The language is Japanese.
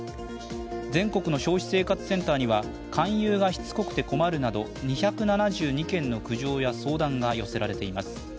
全国の消費生活センターには、勧誘がしつこくて困るなど、２７２件の苦情や相談が寄せられています。